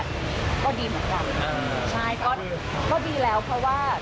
ทุกคนนี้ก็ยังคุยกันอยู่ค่ะยังอัปเดต